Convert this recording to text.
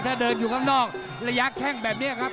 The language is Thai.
ถ้าเดินอยู่ข้างนอกระยะแข้งแบบนี้ครับ